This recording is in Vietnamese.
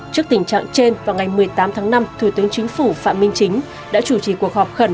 trước tình trạng trên vào ngày một mươi tám tháng năm thủ tướng chính phủ phạm minh chính đã chủ trì cuộc họp khẩn